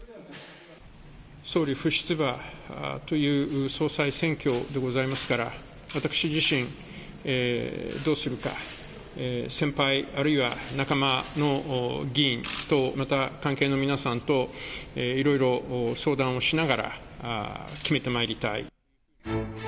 総理不出馬という総裁選挙でございますから、私自身どうするか、先輩、あるいは仲間の議員と、また、関係の皆さんといろいろ相談をしながら決めてまいりたい。